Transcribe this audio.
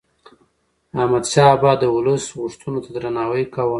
احمد شاه بابا د ولس غوښتنو ته درناوی کاوه.